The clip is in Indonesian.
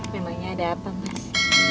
memangnya ada apa mas